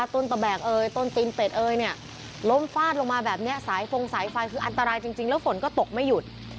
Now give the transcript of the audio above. ต้นตะแบกต้นจีนเตศเอวเนี่ยล้มฟาดลงมาแบบเนี่ยสายฟงสายฟ้ายคืออันตรายจริงแล้วฝนก็ตกไม่หยุด